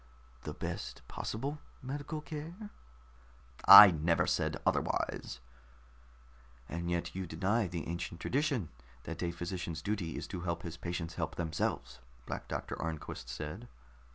"The best possible medical care?" "I never said otherwise." "And yet you deny the ancient tradition that a physician's duty is to help his patients help themselves," Black Doctor Arnquist said.